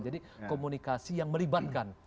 jadi komunikasi yang melibatkan